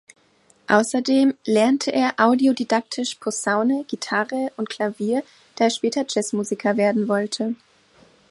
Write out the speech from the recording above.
Außerdem lernte er autodidaktisch Posaune, Gitarre und Klavier, da er später Jazzmusiker werden wollte.